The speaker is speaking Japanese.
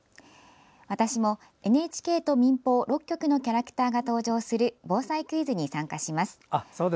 私も、ＮＨＫと民放６局のキャラクターが登場する防災クイズに参加します。